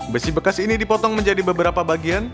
besi bekas ini dipotong menjadi beberapa bagian